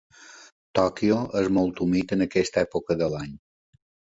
Tòquio és molt humit en aquesta època de l'any.